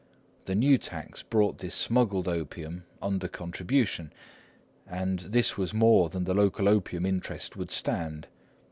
The new tax brought this smuggled opium under contribution, and this was more than the local opium interest would stand.